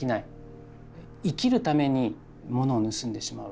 生きるために物を盗んでしまう。